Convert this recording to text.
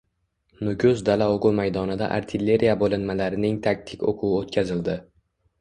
“Nukus” dala-o‘quv maydonida artilleriya bo‘linmalarining taktik o‘quvi o‘tkazildi